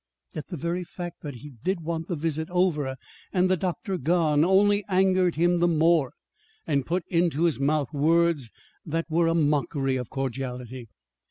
Yet the very fact that he did want the visit over and the doctor gone only angered him the more, and put into his mouth words that were a mockery of cordiality.